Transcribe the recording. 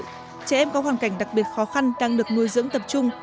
trẻ em có hoàn cảnh đặc biệt khó khăn đang được nuôi dưỡng tập trung